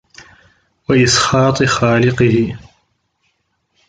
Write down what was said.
وَإِسْخَاطِ خَالِقِهِ